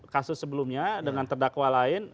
kasus sebelumnya dengan terdakwa lain